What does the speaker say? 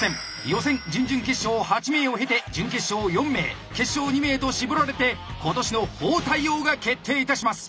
予選準々決勝８名を経て準決勝４名決勝２名と絞られて今年の包帯王が決定いたします。